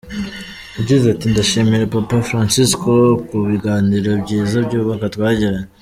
Yagize ati “Ndashimira Papa Francisko ku biganiro byiza byubaka twagiranye.